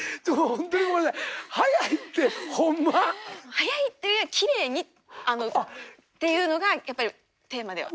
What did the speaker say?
早いっていうよりきれいにっていうのがやっぱりテーマでは。